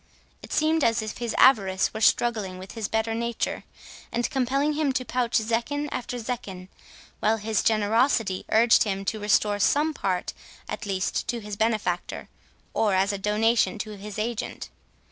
It seemed as if his avarice were struggling with his better nature, and compelling him to pouch zecchin after zecchin while his generosity urged him to restore some part at least to his benefactor, or as a donation to his agent.